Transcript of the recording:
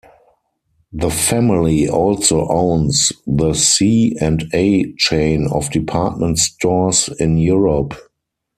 The family also owns the C and A chain of department stores in Europe.